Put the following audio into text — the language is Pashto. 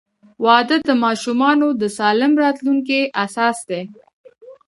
• واده د ماشومانو د سالم راتلونکي اساس دی.